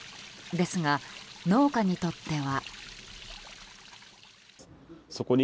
ですが、農家にとっては。